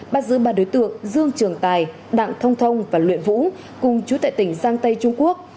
bắt giữ ba đối tượng dương trường tài đặng thông thông và luyện vũ cùng chú tại tỉnh giang tây trung quốc